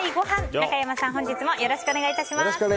中山さん、本日もよろしくお願いします。